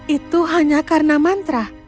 itu hanya karena mantra